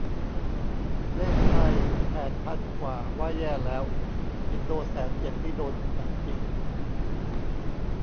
เลขไทยแปดพันกว่าว่าแย่แล้ว อินโดแสนเจ็ดนี่โดนหนักจริง